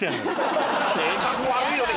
性格悪いよね。